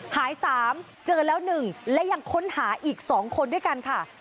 หาย๓เจอแล้ว๑และยังค้นหาอีก๒คนด้วยกันค่ะ